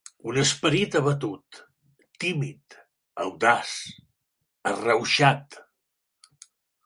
Un esperit abatut, tímid, audaç, arrauxat.